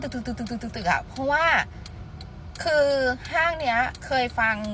ตึกตึกตึกตึกตึกตึกอะเพราะว่าคือห้างเนี้ยเคยฟัง